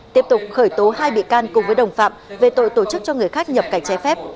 tiếp tục khởi tố hai bị can cùng với đồng phạm về tội tổ chức cho người khác nhập cảnh trái phép